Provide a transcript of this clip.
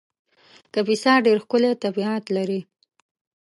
کاپیسا ډېر ښکلی طبیعت لري